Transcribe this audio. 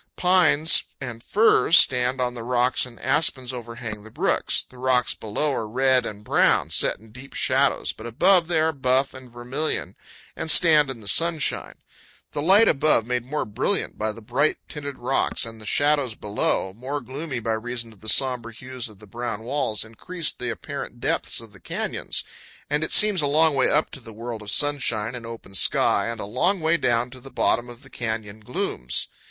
Pines and firs stand on the rocks and aspens overhang the brooks. The rocks below are red and brown, set in deep shadows, but above they are buff and vermilion and stand in the sunshine. The light above, made more brilliant by the bright tinted rocks, and the shadows below, more gloomy powell canyons 110.jpg FIRE IN CAMP. by reason of the somber hues of the brown walls, increase the apparent depths of the canyons, and it seems a long way up to the world of sunshine and open sky, and a long way down to the bottom of the THE CANYON OF LODORE. 163 canyon glooms.